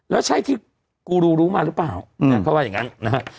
แล้วใช่ที่กูรูรู้มาหรือเปล่าเขาว่าอย่างนั้นนะฮะ